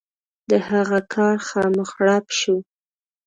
د هغه کار غم غړپ شو.